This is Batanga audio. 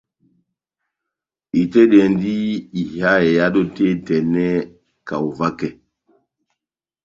Itɛ́dɛndi iha ehádo tɛ́h etɛnɛ kaho vakɛ.